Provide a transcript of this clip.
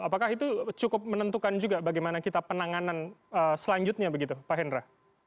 apakah itu cukup menentukan juga bagaimana kita penanganan selanjutnya begitu pak hendra